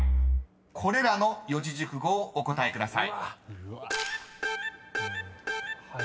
［これらの四字熟語をお答えください］